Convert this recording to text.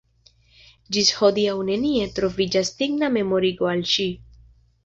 Ĝis hodiaŭ nenie troviĝas digna memorigo al ŝi.